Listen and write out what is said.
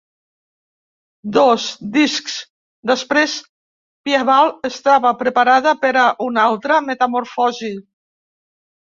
Dos discs després, Piebald estava preparada per a una altra metamorfosi.